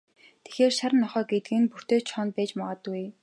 Тэгэхээр, шар нохой гэдэг нь Бөртэ Чоно байж магадгүй.